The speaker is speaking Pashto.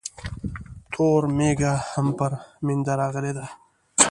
توره مېږه هم پر مينده راغلې ده